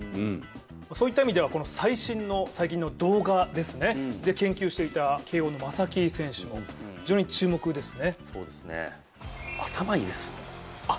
そういった意味では最近の最新の動画で研究していた慶応の正木選手も非常に注目ですね。